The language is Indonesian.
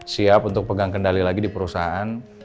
siap untuk pegang kendali lagi di perusahaan